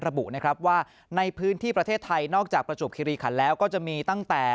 ระบุนะครับว่าในพื้นที่ประเทศไทยนอกจากประจวบคิริขันแล้วก็จะมีตั้งแต่